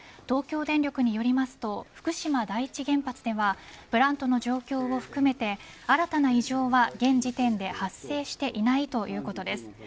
東京電力によると福島第一原発ではプラントの状況も含めて新たな異常が現時点で発生していないということです。